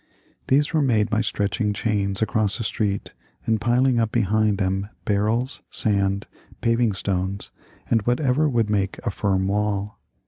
These were made by stretching chains across a street and piling up behind them barrels, sand, paving stones, and whatever would make a firm wall.